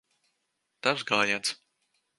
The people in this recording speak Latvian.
Tavs gājiens.